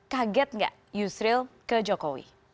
kaget nggak yusril ke jokowi